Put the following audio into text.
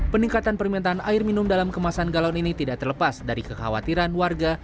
peningkatan permintaan air minum dalam kemasan galon ini tidak terlepas dari kekhawatiran warga